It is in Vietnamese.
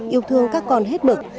yêu thương các con hết bực